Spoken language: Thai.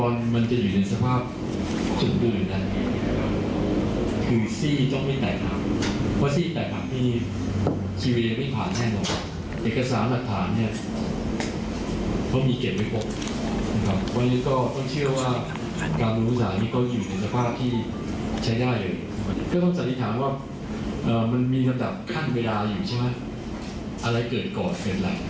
และให้ส่วนอะไรจากเวลาอยู่อะไรเกิดก่อนเกิดหลัก